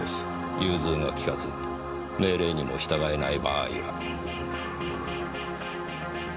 融通が利かず命令にも従えない場合は。